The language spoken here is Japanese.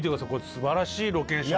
すばらしいロケーションで。